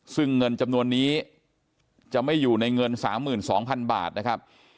ซึ่งเงินจำนวนนี้จะไม่อยู่ในเงิน๓๒๐๐๐บาทนะครับ